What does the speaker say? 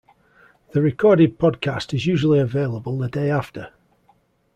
The recorded podcast is usually available the day after.